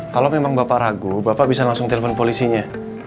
kalau memang bapak ragu bapak bisa langsung telepon polisinya